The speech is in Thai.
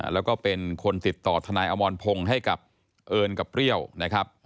แล้วก็เป็นคนติดต่อทนายอมรพงศ์ให้กับเอิญกับเปรี้ยวนะครับ